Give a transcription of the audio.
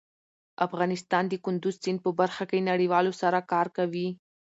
افغانستان د کندز سیند په برخه کې نړیوالو سره کار کوي.